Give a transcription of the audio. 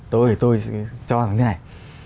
tôi cho rằng thế này